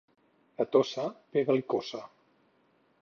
A Tossa, pega-li coça.